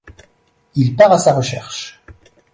Il part à sa recherche.